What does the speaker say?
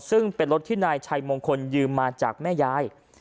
ซึ่งเป็นรถที่นายชัยมงคลยืมมาจากแม่ยาย